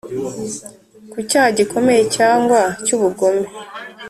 ku cyaha gikomeye cyangwa cy ubugome